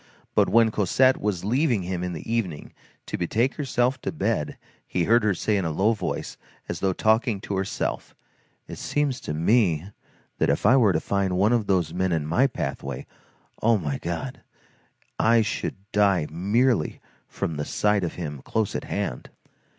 But when Cosette was leaving him in the evening, to betake herself to bed, he heard her say in a low voice, and as though talking to herself: "It seems to me, that if I were to find one of those men in my pathway, oh, my God, I should die merely from the sight of him close at hand."